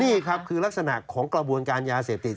นี่ครับคือลักษณะของกระบวนการยาเสพติด